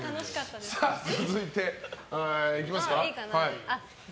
続いて、いきますか。